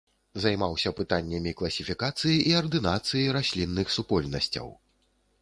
Займаўся пытаннямі класіфікацыі і ардынацыі раслінных супольнасцяў.